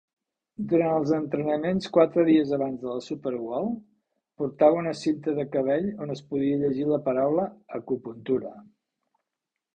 Durant els entrenaments quatre dies abans de la Super Bowl, portava una cinta de cabell on es podia llegir la paraula "Acupuntura".